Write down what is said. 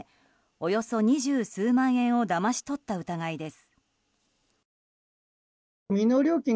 およそ二十数万円をだまし取った疑いです。